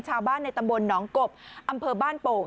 ชาวบ้านในตำบลหนองกบอำเภอบ้านโป่ง